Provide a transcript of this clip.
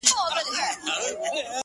دا چا ويله چي باڼه چي په زړه بد لگيږي-